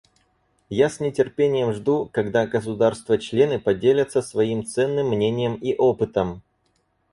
Я с нетерпением жду, когда государства-члены поделятся своим ценным мнением и опытом.